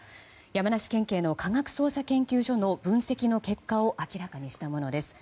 山梨県警の科学捜査研究所の分析の結果を明らかにしたものです。